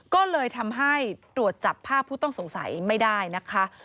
ก็เลยทำให้ตรวจจับภาพผู้ต้องสงสัยไม่ได้นะคะ